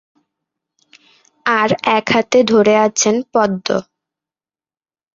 আর এক হাতে ধরে আছেন পদ্ম।